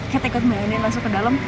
kat ikut mainin langsung ke dalam